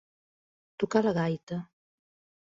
Tocar la gaita.